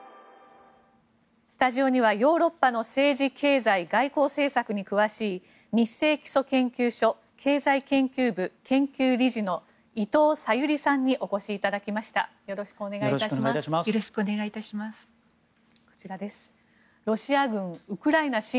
スタジオにはヨーロッパの政治、経済外交政策に詳しいニッセイ基礎研究所経済研究部、研究理事の伊藤さゆりさんにお越しいただきました。